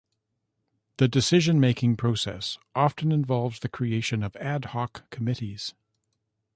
The decision making process often involves the creation of ad hoc committees.